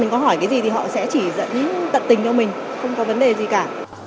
mình có hỏi cái gì thì họ sẽ chỉ dẫn tận tình cho mình không có vấn đề gì cả